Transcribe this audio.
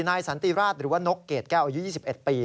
นายสันติราชหรือว่านกเกรดแก้วอายุ๒๑ปี